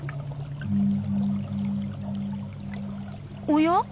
おや？